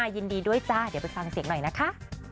ยินดีด้วยจ้าเดี๋ยวไปฟังเสียงหน่อยนะคะ